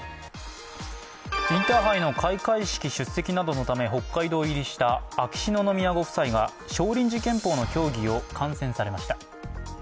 インターハイの開会式出席などのため、北海道入りした秋篠宮ご夫妻が少林寺拳法の競技を観戦されました。